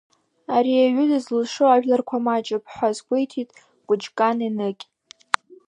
Арии аҩыза зылшо ажәларқәа маҷуп, ҳәа азгәеиҭеит Кәыҷкан Еныкь.